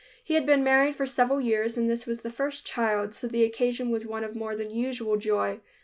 He had been married for several years and this was the first child, so the occasion was one of more than usual joy.